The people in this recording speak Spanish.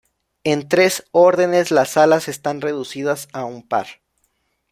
En tres órdenes las alas están reducidas a un par.